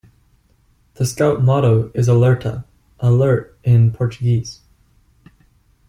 The Scout Motto is "Alerta", "Alert" in Portuguese.